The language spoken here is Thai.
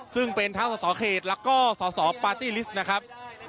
ซึ่งเป็นทั้งสสเขตแล้วก็สสปาร์ตี้ลิสต์นะครับ